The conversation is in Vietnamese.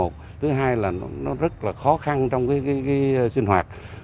thứ hai là nó rất là khó khăn trong sinh hoạt